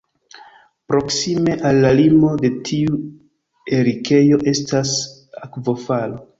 Proksime al la limo de tiu erikejo estas akvofalo.